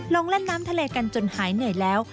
ลงเล่นน้ำทะเลกันจนหายเหนื่อยแล้ว